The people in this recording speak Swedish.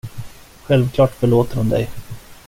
Självklart förlåter hon dig.